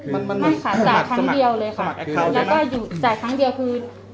มันไม่ค่ะจ่ายครั้งเดียวเลยค่ะแล้วก็อยู่จ่ายครั้งเดียวคือ